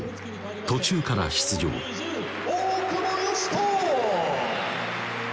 途中から出場大久保嘉人！